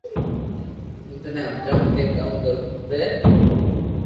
ھون ٽني ھمجاو ڪي ڪاو ڪرو کپي